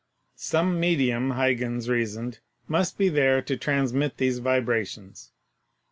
Some medium, Huygens reasoned, must be there to transmit these vibrations.